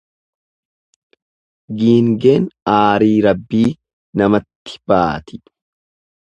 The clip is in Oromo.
Giingeen aarii Rabbii namatti baati.